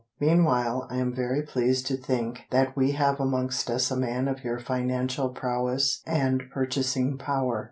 Meanwhile I am very pleased to think That we have amongst us a man of your financial prowess And purchasing power.